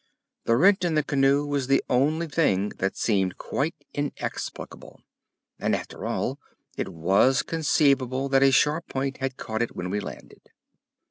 The rent in the canoe was the only thing that seemed quite inexplicable; and, after all, it was conceivable that a sharp point had caught it when we landed.